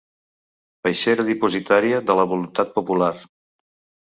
Peixera dipositària de la voluntat popular.